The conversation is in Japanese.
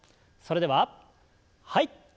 それでははい。